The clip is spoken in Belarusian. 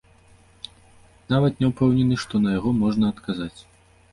Нават не ўпэўнены, што на яго можна адказаць.